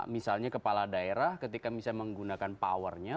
misalnya kepala daerah ketika bisa menggunakan powernya